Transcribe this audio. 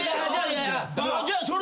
じゃあそれ